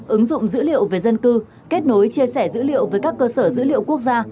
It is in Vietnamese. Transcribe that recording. ứng dụng dữ liệu về dân cư kết nối chia sẻ dữ liệu với các cơ sở dữ liệu quốc gia